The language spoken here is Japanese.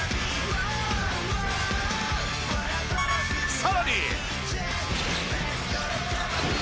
さらに。